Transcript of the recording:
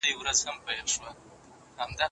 هره ټولنه خپل شرايط لري.